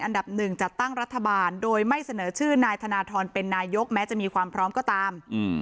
อันดับหนึ่งจัดตั้งรัฐบาลโดยไม่เสนอชื่อนายธนทรเป็นนายกแม้จะมีความพร้อมก็ตาม